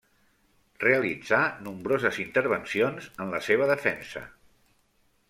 Realitzà nombroses intervencions en la seva defensa.